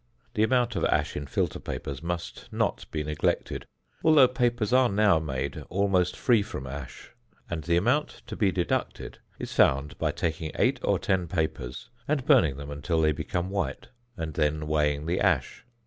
The amount of ash in filter papers must not be neglected, although papers are now made almost free from ash, and the amount to be deducted is found by taking eight or ten papers and burning them until they become white, and then weighing the ash.